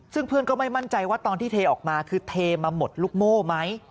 ซึ่งเพื่อนก็ไม่มั่นใจว่าตอนที่เทออกมาคือเทมาหมดลูกโม่ไหม